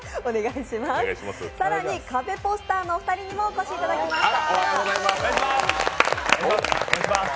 更にカベポスターのお二人にもお越しいただきました。